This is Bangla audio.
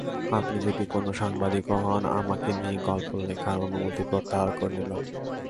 আপনি যদি কোন সাংবাদিকও হন, আমাকে নিয়ে গল্প লেখার অনুমতি প্রত্যাহার করে নিলাম।